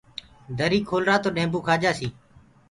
دري کولرآ توڏيمڀوُ کآ جآسيٚ